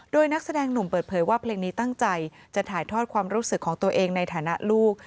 โดยนักแสดงหนุ่มเปิดเผยว่าเพลงนี้ตั้งใจจะถ่ายทอดความรู้สึกของตัวเองในฐานะลูก